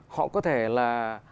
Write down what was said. họ có thể là